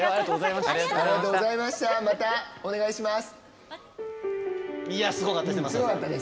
またお願いします。